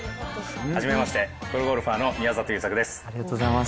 初めまして、プロゴルファーの宮里優作です。